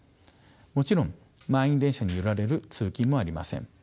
もちろん満員電車に揺られる通勤もありません。